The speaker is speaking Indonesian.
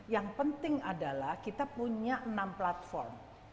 yang penting adalah kita punya enam platform